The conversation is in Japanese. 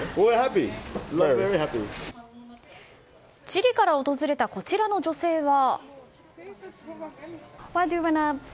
チリから訪れたこちらの女性は。